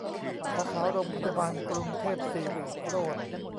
สาขาโรงพยาบาลกรุงเทพสิริโรจน์